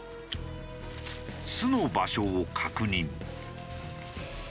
巣の場所を確認。